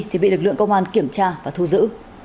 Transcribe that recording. thì bị lực lượng công an kiểm tra và thu giữ